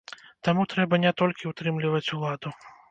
Таму трэба не толькі ўтрымліваць уладу.